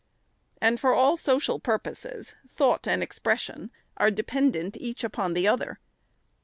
And for all social purposes, thought and expression are de pendent, each upon the other.